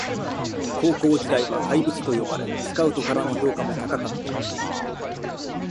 高校時代は怪物と呼ばれスカウトからの評価も高かった